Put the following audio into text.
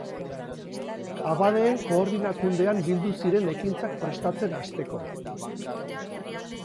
Abadeen Koordinakundean bildu ziren ekintzak prestatzen hasteko.